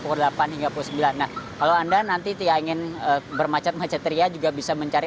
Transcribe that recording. pukul delapan hingga pukul sembilan nah kalau anda nanti tia ingin bermacet macet ria juga bisa mencari